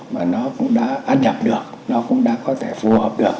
mà nó cũng đã ăn nhập được nó cũng đã có thể phù hợp được